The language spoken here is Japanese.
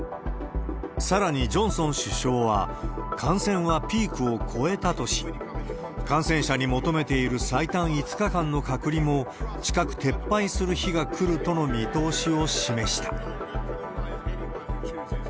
さらにジョンソン首相は、感染はピークを越えたとし、感染者に求めている最短５日間の隔離も、近く撤廃する日が来るとの見通しを示した。